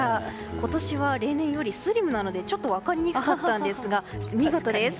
今年は、例年よりスリムなので分かりにくかったんですがお見事です。